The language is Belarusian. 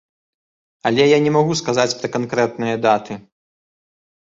Але я не магу сказаць пра канкрэтныя даты.